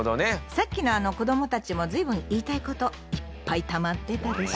さっきの子どもたちも随分言いたいこといっぱいたまってたでしょ。